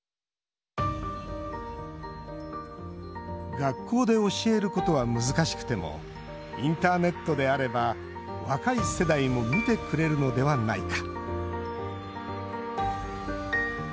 学校で教えることは難しくてもインターネットであれば若い世代も見てくれるのではないか。